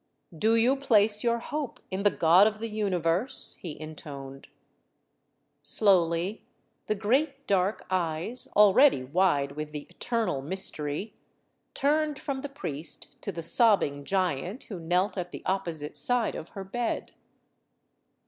"Do you place your hope in the God of the Universe?" he intoned. Slowly the great dark eyes already wide with the Eternal Mystery turned from the priest to the sobbing giant who knelt at the opposite side of her bed.